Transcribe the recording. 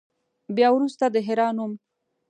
بیا وروسته د حرا نوم.